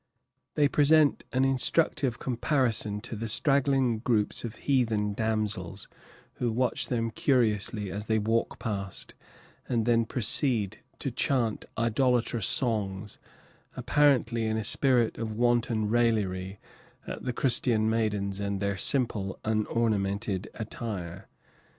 They present an instructive comparison to the straggling groups of heathen damsels who watch them curiously as they walk past and then proceed to chant idolatrous songs, apparently in a spirit of wanton raillery at the Christian maidens and their simple, un ornamented attire.